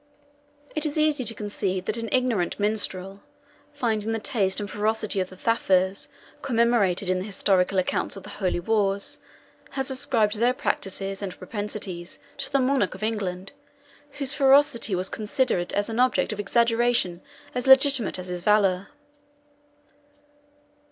] It is easy to conceive that an ignorant minstrel, finding the taste and ferocity of the Thafurs commemorated in the historical accounts of the Holy Wars, has ascribed their practices and propensities to the Monarch of England, whose ferocity was considered as an object of exaggeration as legitimate as his valour.